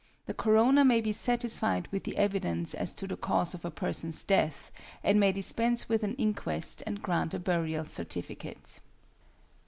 The coroner may be satisfied with the evidence as to the cause of a person's death, and may dispense with an inquest and grant a burial certificate.